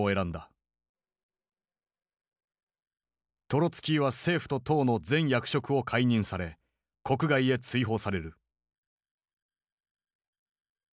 トロツキーは政府と党の全役職を解任され国外へ追放される。